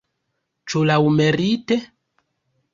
Ĉu laŭmerite?